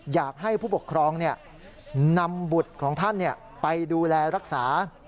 อยากให้ผู้ปกครองนำบุตรของท่านไปดูแลรักษา